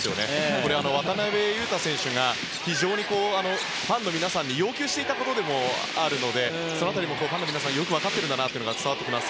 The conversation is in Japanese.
これは渡邊雄太選手が非常にファンの皆さんに要求していたことでもあるのでその辺りもファンの皆さんよく分かっているのが伝わります。